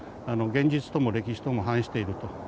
現実とも歴史とも反していると。